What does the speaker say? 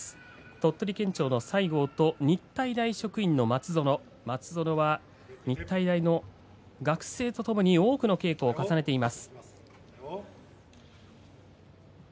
鳥取県庁の西郷と日体大職員の松園松園は学生とともに多くの稽古を重ねています。